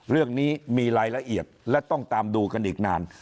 เรื่องนี้มีรายละเอียดและต้องตามดูกันอีกนาน